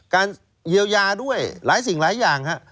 การเยียวยาด้วยหลายสิ่งหลายอย่างฮะ